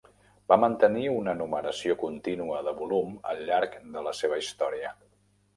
Va mantenir una numeració continua de volum al llarg de la seva història.